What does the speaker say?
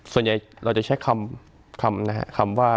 ส่วนใหญ่เราจะใช้คำว่า